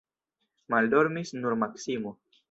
Maldormis nur Maksimo.